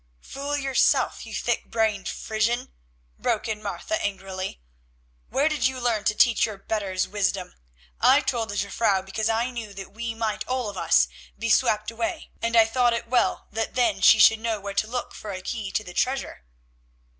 "Fool yourself, you thick brained Frisian," broke in Martha angrily, "where did you learn to teach your betters wisdom? I told the Jufvrouw because I knew that we might all of us be swept away, and I thought it well that then she should know where to look for a key to the treasure."